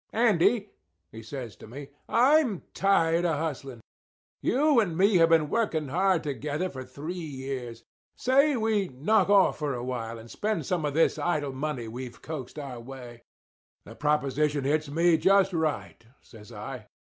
"Andy," he says to me, "I'm tired of hustling. You and me have been working hard together for three years. Say we knock off for a while, and spend some of this idle money we've coaxed our way." "The proposition hits me just right," says I.